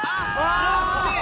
・惜しい！